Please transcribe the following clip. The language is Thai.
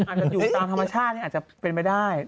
อาจจะอยู่ตามธรรมชาตินี่อาจจะเป็นไปได้